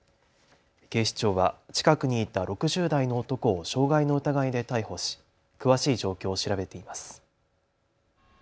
警視庁は近くにいた６０代の男を傷害の疑いで逮捕し詳しい状況を調べています。